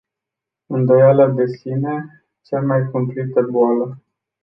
Îndoiala de sine, cea mai cumplită boală.